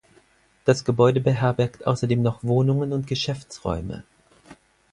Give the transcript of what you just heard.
Das Gebäude beherbergt außerdem noch Wohnungen und Geschäftsräume.